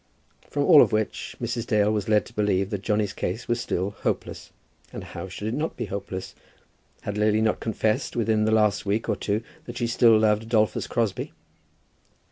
From all which Mrs. Dale was led to believe that Johnny's case was still hopeless. And how should it not be hopeless? Had Lily not confessed within the last week or two that she still loved Adolphus Crosbie?